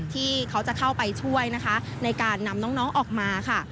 ที่เขาจะเข้าไปช่วยนะคะในการนำน้องออกมาค่ะ